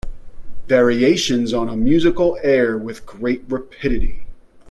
Variations on a musical air With great rapidity.